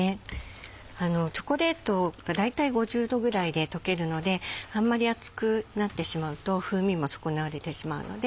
チョコレートが大体５０℃ぐらいで溶けるのであんまり熱くなってしまうと風味も損なわれてしまうので。